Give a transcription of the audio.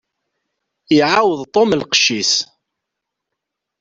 Iɛawed Tom lqecc-is.